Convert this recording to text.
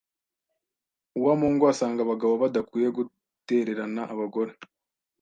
Uwamungu asanga abagabo badakwiye gutererana abagore